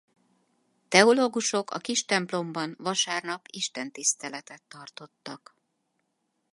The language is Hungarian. Teológusok a kis templomban vasárnap istentiszteletet tartottak.